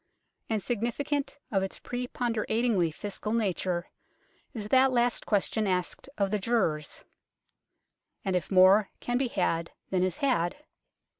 And significant of its pre ponderatingly fiscal nature is that last question asked of the jurors, " And if more can be had than is had